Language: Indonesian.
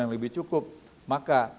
yang lebih cukup maka